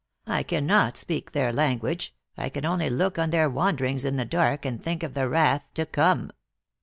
I cannot speak their language ; I can only look on their wan derings in the dark, and think of the wrath to come."